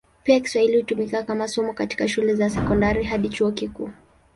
Pia Kiswahili hutumika kama somo katika shule za sekondari hadi chuo kikuu.